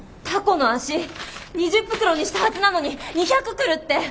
たこの足２０袋にしたはずなのに２００来るって！